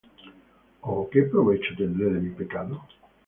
¿O qué provecho tendré de mi pecado?